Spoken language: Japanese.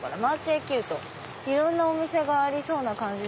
いろんなお店がありそうな感じ。